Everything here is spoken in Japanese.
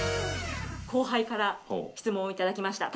後輩から質問をいただきました。